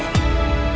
di rumah ini